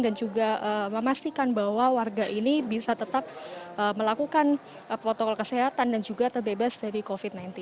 dan juga memastikan bahwa warga ini bisa tetap melakukan protokol kesehatan dan juga terbebas dari covid sembilan belas